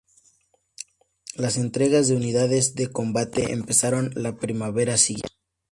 Las entregas de unidades de combate, empezaron la primavera siguiente.